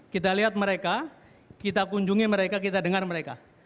kita lihat mereka kita kunjungi mereka kita dengar mereka